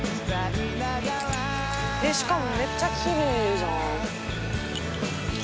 しかもめっちゃ奇麗じゃん。